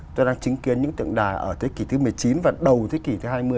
tôi đang chứng kiến những tượng đài ở thế kỷ thứ một mươi chín và đầu thế kỷ thứ hai mươi